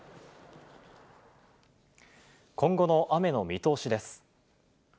今後の雨の見通しです。